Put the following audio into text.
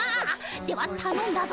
ではたのんだぞ。